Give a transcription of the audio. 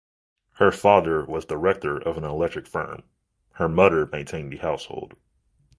Her father was director of an electric firm; her mother maintained the household.